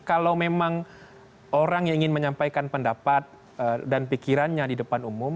kalau memang orang yang ingin menyampaikan pendapat dan pikirannya di depan umum